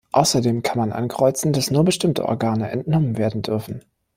Außerdem kann man ankreuzen, dass nur bestimmte Organe entnommen werden dürfen.